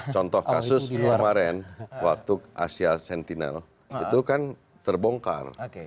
contoh kasus kemarin waktu asia sentinel itu kan terbongkar